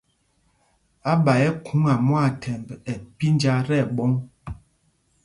Áɓa ɛ́ ɛ́ khúŋa mwâthɛmb ɛ pínjá tí ɛɓɔ̄ŋ.